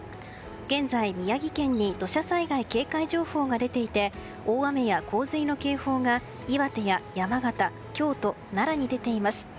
現在、宮城県に土砂災害警戒情報が出ていて大雨や洪水の警報が岩手や山形京都、奈良に出ています。